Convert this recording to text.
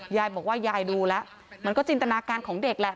ยายบอกว่ายายดูแล้วมันก็จินตนาการของเด็กแหละ